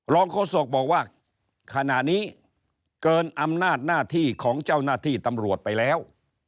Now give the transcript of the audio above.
โฆษกบอกว่าขณะนี้เกินอำนาจหน้าที่ของเจ้าหน้าที่ตำรวจไปแล้ว